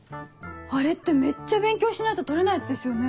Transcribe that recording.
あれってめっちゃ勉強しないと取れないやつですよね。